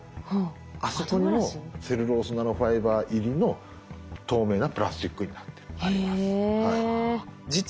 あそこにもセルロースナノファイバー入りの透明なプラスチックになってる。